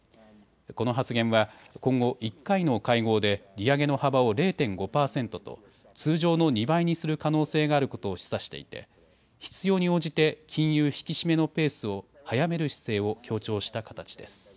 この発言は今後、１回の会合で利上げの幅を０．５％と通常の２倍にする可能性があることを示唆していて必要に応じて金融引き締めのペースを速める姿勢を強調した形です。